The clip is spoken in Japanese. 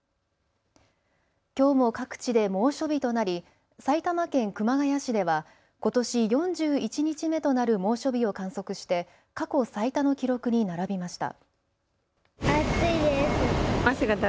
きょうも各地で猛暑日となり埼玉県熊谷市ではことし４１日目となる猛暑日を観測して過去最多の記録に並びました。